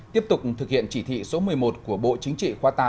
tiếp tục thực hiện chỉ thị số một mươi một của bộ chính trị khoa tám